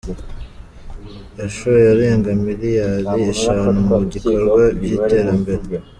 yashoye arenga miliyali eshanu mu bikorwa by’iterambere